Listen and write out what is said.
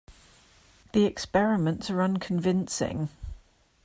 The experiments are unconvincing.